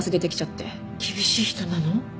厳しい人なの？